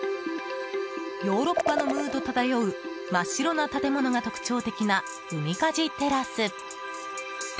ヨーロッパのムード漂う真っ白な建物が特徴的なウミカジテラス。